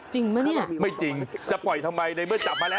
จริงปะเนี่ยไม่จริงจะปล่อยทำไมในเมื่อจับมาแล้ว